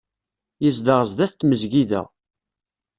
Yezdeɣ sdat tmesgida.